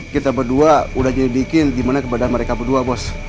kita berdua udah jadi bikin dimana kebadan mereka berdua bos